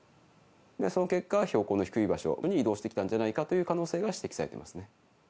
その結果、標高の低い場所に移動してきたんじゃないかという可能性が指摘さ